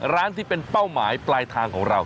ร้านที่เป็นเป้าหมายปลายทางของเรา